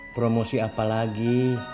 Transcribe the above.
promosi apa lagi